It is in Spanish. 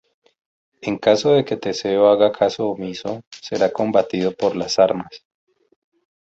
En caso de que Teseo haga caso omiso, será combatido por las armas.